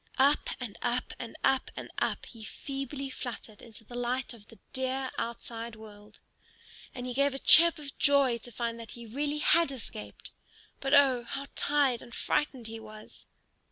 Up and up and up and up he feebly fluttered into the light of the dear outside world, and then he gave a chirp of joy to find that he really had escaped. But oh, how tired and frightened he was!